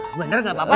bener gak apa apa